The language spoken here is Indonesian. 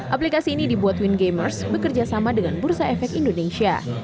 aplikasi ini dibuat wind gamers bekerja sama dengan bursa efek indonesia